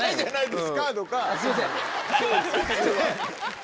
すいません。